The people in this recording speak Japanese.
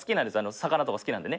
魚とか好きなんでね。